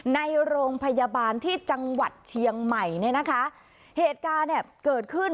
ในโรงพยาบาลที่จังหวัดเชียงใหม่เนี่ยนะคะเหตุการณ์เนี่ยเกิดขึ้น